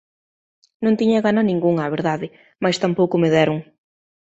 Non tiña gana ningunha, a verdade, mais tampouco me deron.